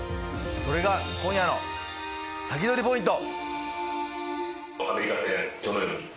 それが今夜のサキドリポイント。